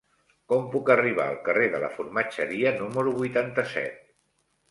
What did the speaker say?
Com puc arribar al carrer de la Formatgeria número vuitanta-set?